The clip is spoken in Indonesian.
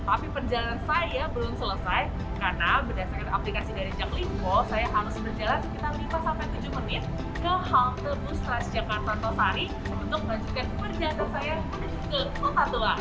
tapi perjalanan saya belum selesai karena berdasarkan aplikasi dari jaklimpo saya harus berjalan sekitar lima sampai tujuh menit ke halte bus transjakarta osari untuk melanjutkan perjalanan saya ke kota tua